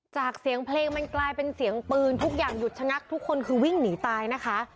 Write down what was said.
จากเสียงเพลงมันกลายเป็นเสียงปืนทุกอย่างหยุดชะงักทุกคนคือวิ่งหนีตายนะคะ